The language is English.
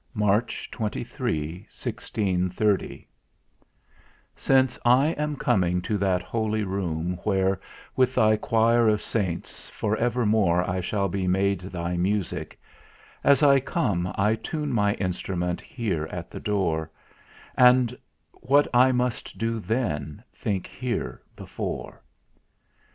"March 23, 1630. "Since I am coming to that holy room, Where, with Thy Choir of Saints, for evermore I shall be made Thy music, as I come I tune my instrument here at the door, And, what I must do then, think here before.